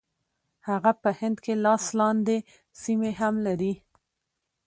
هغه په هند کې لاس لاندې سیمې هم لري.